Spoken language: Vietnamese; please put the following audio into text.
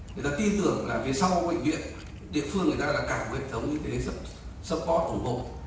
người ta tin tưởng là phía sau bệnh viện địa phương người ta là cả hệ thống y tế support ủng hộ